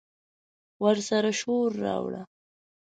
ورسره شور، راوړه